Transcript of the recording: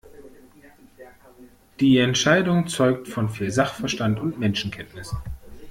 Die Entscheidung zeugt von viel Sachverstand und Menschenkenntnis.